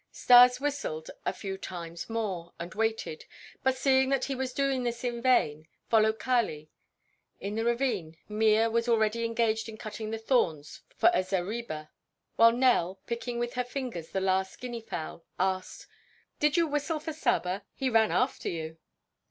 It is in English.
Stas whistled a few times more and waited, but seeing that he was doing this in vain, followed Kali. In the ravine Mea was already engaged in cutting the thorns for a zareba, while Nell, picking with her little fingers the last guinea fowl, asked: "Did you whistle for Saba? He ran after you."